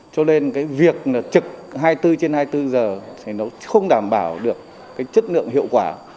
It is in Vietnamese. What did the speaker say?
cho nên việc trực hai mươi bốn trên hai mươi bốn giờ nó không đảm bảo được chất lượng hiệu quả